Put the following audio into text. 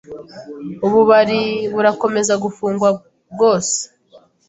ububari burakomeza gufungwa bwose